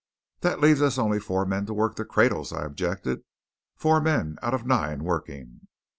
"That leaves us only four men to work the cradles," I objected. "Four men out of nine working."